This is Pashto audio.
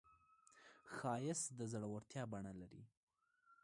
ښایست د زړورتیا بڼه لري